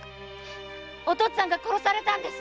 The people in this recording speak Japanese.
お父っつぁんが殺されたんです。